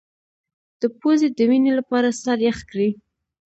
د پوزې د وینې لپاره سر یخ کړئ